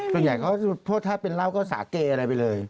ส่วนใหญ่เขาโทษถ้าเป็นเหล้าก็สาเกอะไรไปเลย